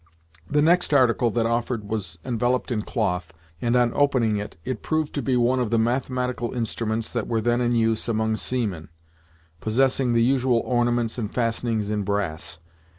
The next article that offered was enveloped in cloth, and on opening it, it proved to be one of the mathematical instruments that were then in use among seamen, possessing the usual ornaments and fastenings in brass.